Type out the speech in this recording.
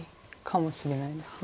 かもしれないです。